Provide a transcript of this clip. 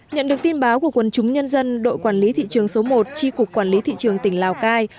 nhận được tin báo của quân chúng nhân dân đội quản lý thị trường số một tri cục quản lý thị trường tỉnh lào cai